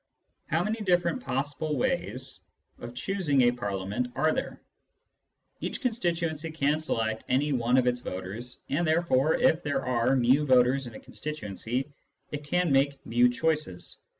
How many different possible ways of choosing, a Parliament are there ? Each constituency can select any one of its voters, and therefore if there are [i voters in a constituency, it can make fi choices.